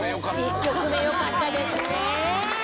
１曲目よかったですね。